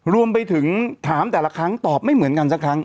รวมไปถึงถามแต่ละครั้งตอบไม่เหมือนกันสักครั้ง